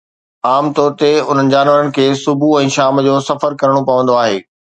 عام طور تي، انهن جانورن کي صبح ۽ شام جو سفر ڪرڻو پوندو آهي